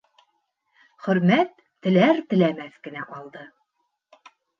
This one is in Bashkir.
Хөрмәт теләр-теләмәҫ кенә алды.